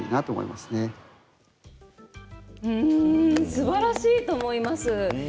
すばらしいと思います。